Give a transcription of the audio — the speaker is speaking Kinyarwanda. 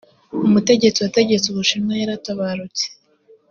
umutegetsi wategetse ubushinwa yaratabarutse